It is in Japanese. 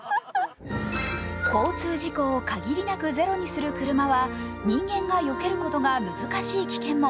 交通事故を限りなくゼロにする車は人間がよけることが難しい危険も。